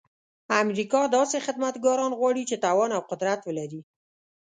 امریکا داسې خدمتګاران غواړي چې توان او قدرت ولري.